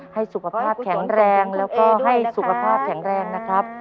ให้สุขภาพแข็งแรงแล้วก็ให้สุขภาพแข็งแรงนะครับ